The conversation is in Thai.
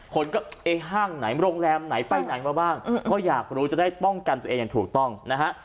คนก็เอ๊ะห้างไหนโรงแรมไหนไปไหนมาบ้างก็อยากรู้จะได้ป้องกันตัวเองอย่างถูกต้องนะฮะ